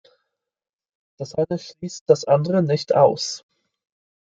Das eine schließt das andere nicht aus.